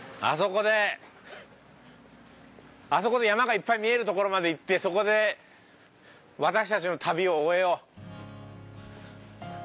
あそこであそこで山がいっぱい見えるところまで行ってそこで私たちの旅を終えよう。